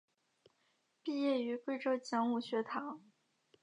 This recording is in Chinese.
毕业于贵州讲武学堂。